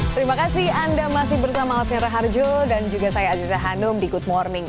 terima kasih anda masih bersama alfian raharjo dan juga saya aziza hanum di good morning